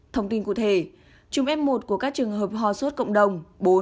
thông tin cụ thể chùm f một của các trường hợp hòa suất cộng đồng bốn